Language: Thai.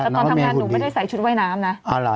ตอนทำงานชุดน้ำหนูไม่ได้ใส่